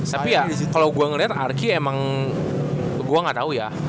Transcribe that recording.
tapi ya kalau gue ngelihat arki emang gue gak tau ya